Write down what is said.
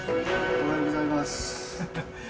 おはようございます。